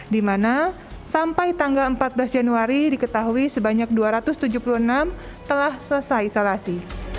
di mana sampai tanggal empat belas januari diketahui sebanyak dua ratus tujuh puluh enam telah selesai isolasi